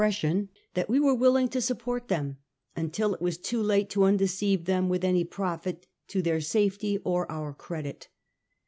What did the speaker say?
sion that we were willing to support them, until it was too late to undeceive them with any profit to their safety or our credit.